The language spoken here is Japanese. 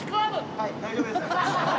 はい大丈夫です。